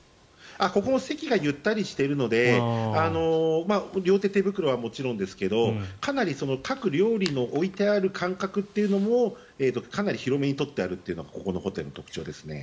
ここも席がゆったりしているので両手手袋はもちろんですがかなり各料理の置いてある間隔というのもかなり広めに取ってあるというのがここのホテルの特徴ですね。